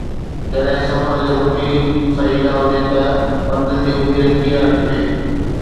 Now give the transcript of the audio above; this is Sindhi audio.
جڏهن سفر جو رخ ئي صحيح نه هجي ته منزل جي اميد ڪيئن رکجي؟